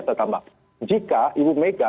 tetap jika ibu mega